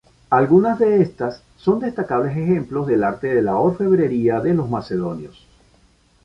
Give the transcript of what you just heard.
Algunas de estas son destacables ejemplos del arte de la orfebrería de los macedonios.